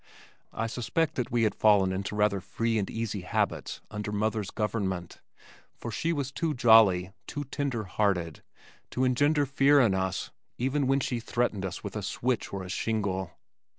I suspect that we had fallen into rather free and easy habits under mother's government, for she was too jolly, too tender hearted, to engender fear in us even when she threatened us with a switch or a shingle.